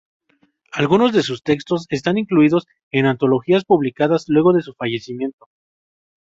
Algunos de sus textos están incluidos en antologías publicadas luego de su fallecimiento.